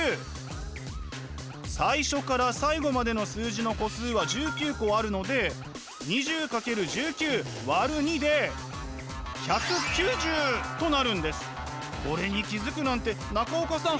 最初から最後までの数字の個数は１９個あるので２０×１９÷２でこれに気付くなんて中岡さん